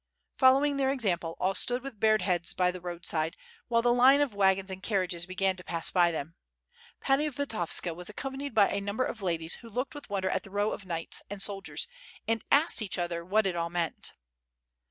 Following their example all stood with bared heads by the roadside, while the line of wagons and carriages began to pass by them. Pani Vitovska was accompanied by a number of ladies who looked with wonder at the row of knights and soldiers, and asked each other what it all meant.